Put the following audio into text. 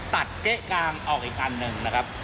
เก๊ะกลางออกอีกอันหนึ่งนะครับ